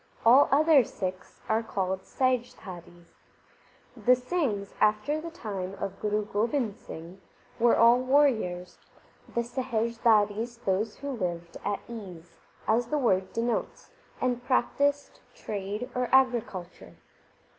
All other Sikhs are called Sahijdharis. The Singhs, after the time of Guru Gobind Singh, were all warriors, the Sahijdharis those who lived at ease, as the word denotes, and practised trade or agricul ture.